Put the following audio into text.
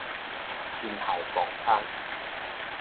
辛亥磅空